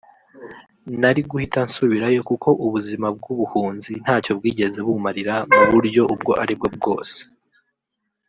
nari guhita nsubirayo kuko ubuzima bw’ubuhunzi ntacyo bwigeze bumarira mu buryo ubwo aribwo bwose